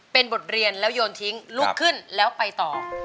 เป็นบทเรียนแล้วโยนทิ้งลุกขึ้นแล้วไปต่อ